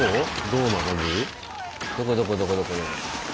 どこどこどこどこ？